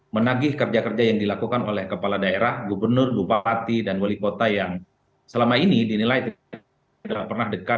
menagih kerja kerja yang dilakukan oleh kepala daerah gubernur bupati dan wali kota yang selama ini dinilai tidak pernah dekat